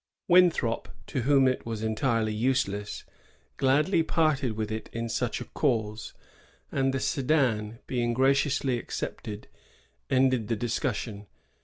Winthrop, to whom it was entirely useless, gladly parted with it in such a cause; and the sedan, being graciously accepted, ended the discussion.